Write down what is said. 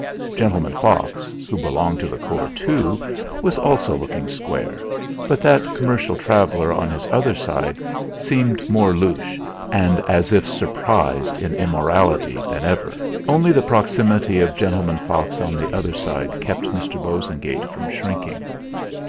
Gentleman Fox, who belonged to the corps too, was also looking square; but that commercial traveller on his other side seemed more louche, and as if surprised in immorality, than ever; only the proximity of Gentleman Fox on the other side kept Mr. Bosengate from shrinking.